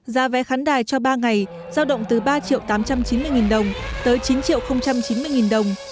giá vé khán đài cho ba ngày giao động từ ba tám trăm chín mươi đồng tới chín chín mươi đồng